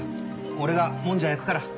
俺がもんじゃ焼くから。